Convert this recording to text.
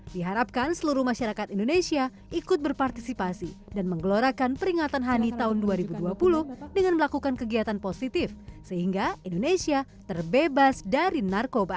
diharapkan seluruh masyarakat indonesia ikut berpartisipasi dan menggelorakan peringatan hani tahun dua ribu dua puluh dengan melakukan kegiatan positif sehingga indonesia terbebas dari narkoba